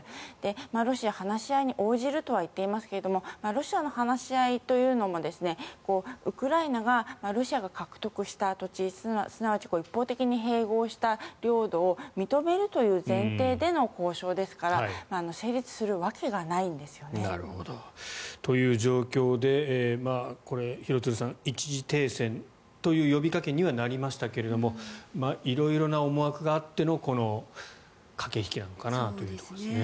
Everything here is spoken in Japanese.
ロシアは話し合いに応じるとは言っていますけどロシアの話し合いというのもウクライナがロシアが獲得した土地すなわち一方的に併合した領土を認めるという前提での交渉ですから成立するわけがないんですよね。という状況で廣津留さん、一時停戦という呼びかけにはなりましたが色々な思惑があってのこの駆け引きなのかなというところですね。